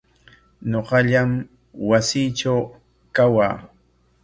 Ñuqallam wasiitraw kawaa.